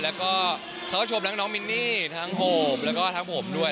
แล้วก็เขาก็ชมทั้งน้องมินนี่ทั้งโอบแล้วก็ทั้งผมด้วย